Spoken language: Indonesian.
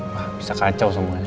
wah bisa kacau semuanya